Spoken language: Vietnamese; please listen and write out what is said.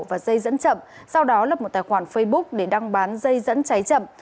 và dây dẫn chậm sau đó lập một tài khoản facebook để đăng bán dây dẫn cháy chậm